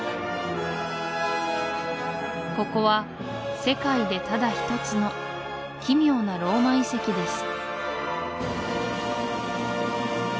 ここは世界でただ一つの奇妙なローマ遺跡です